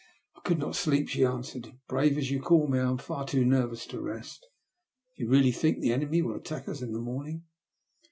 "I could not sleep," she answered. " Brave as you call me, I am far too nervous to rest. Do you really think the enemy will attack us in the morning